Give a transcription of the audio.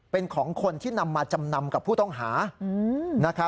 เป็นของคนที่นำมากับผู้ต้องหา